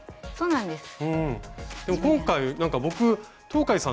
そうなんですね！